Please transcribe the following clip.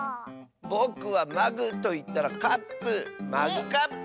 ぼくは「まぐ」といったら「かっぷ」。「マグカップ」！